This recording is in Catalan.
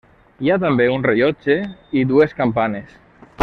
Hi ha també un rellotge i dues campanes.